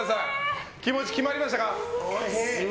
気持ち決まりましたか？